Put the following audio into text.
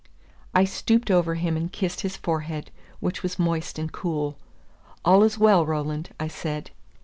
I stooped over him and kissed his forehead, which was moist and cool. "All is well, Roland," I said.